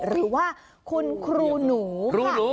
หรือว่าคุณครูหนูค่ะ